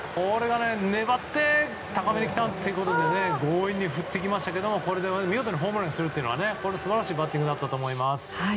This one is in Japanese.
粘って高めにきたということで強引に振ってきて、これを見事ホームランにするのは素晴らしいバッティングだと思います。